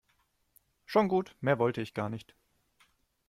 Schon gut, mehr wollte ich gar nicht.